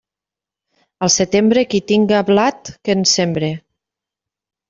Al setembre, qui tinga blat, que en sembre.